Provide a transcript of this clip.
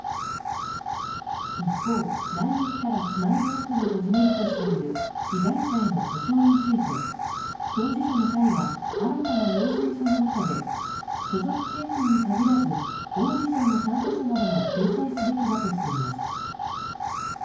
一方、来月からＳＭＩＬＥ‐ＵＰ．が始めるとしている被害者への補償について当事者の会は新たな要請書の中で所属経験に限らずオーディションの参加者なども救済すべきだとしています。